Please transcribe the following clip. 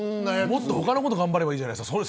もっと他のこと頑張ればいいじゃないですか。